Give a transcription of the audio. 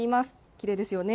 きれいですよね。